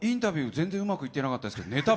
全然うまくいってなかったですけどネタ